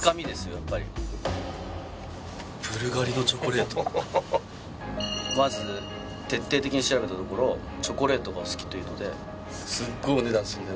やっぱりまず徹底的に調べたところチョコレートがお好きというのですっごいお値段するんだよ